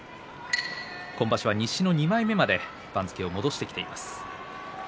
今場所は西の２枚目まで番付を戻してきました。